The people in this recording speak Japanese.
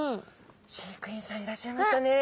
飼育員さんいらっしゃいましたね。